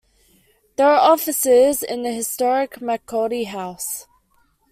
There are offices in the historic McCaughey house.